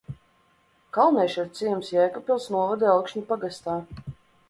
Kalnieši ir ciems Jēkabpils novada Elkšņu pagastā.